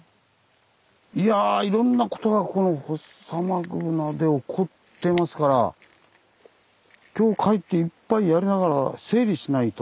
いやいろんなことがこのフォッサマグナで起こってますから今日帰って一杯やりながら整理しないと。